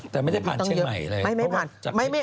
แต่ไม่ได้ผ่านเชียงใหม่เลย